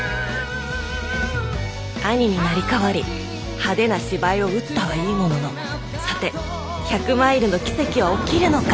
兄になりかわり派手な芝居を打ったはいいもののさて１００マイルの奇跡は起きるのか